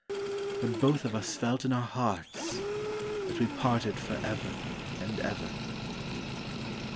But both of us felt in our hearts That we parted for ever and ever.